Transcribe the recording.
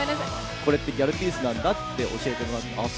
これってギャルピースなんだって教えてもらって、あっ、